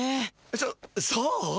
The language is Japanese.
そそう？